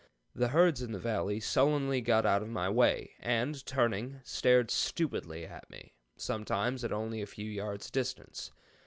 The herds in the valley sullenly got out of my way, and, turning, stared stupidly at me, sometimes at only a few yards' distance.